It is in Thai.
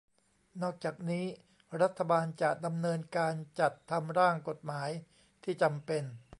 นอกจากนี้รัฐบาลจะดำเนินการจัดทำร่างกฎหมายที่จำเป็น